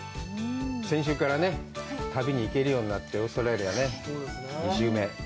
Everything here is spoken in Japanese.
先週から旅に行けるようになってオーストラリアね、２週目。